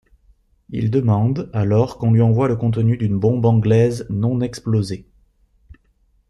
Il demande alors qu'on lui envoie le contenu d'une bombe anglaise non explosée.